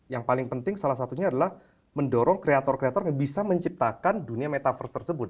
yang paling penting salah satunya adalah mendorong kreator kreator yang bisa menciptakan dunia metaverse tersebut